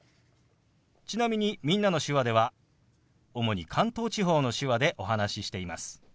ちなみに「みんなの手話」では主に関東地方の手話でお話ししています。